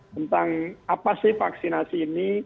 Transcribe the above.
tentang apa sih vaksinasi ini